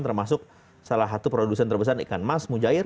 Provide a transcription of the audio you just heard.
termasuk salah satu produsen terbesar ikan emas mujair